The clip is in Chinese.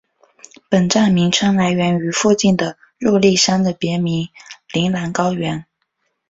本站名称来源于附近的入笠山的别名铃兰高原。